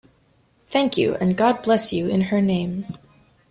Thank you, and God bless you, in her name!